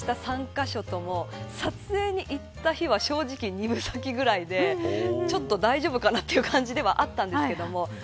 今回、ご紹介した３カ所とも撮影に行った日は正直二分咲きぐらいでちょっと大丈夫かなという感じではあったんですけど